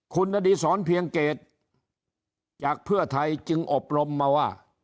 คุณอดีศรเพียงเกตจากเพื่อไทยจึงอบรมมาว่า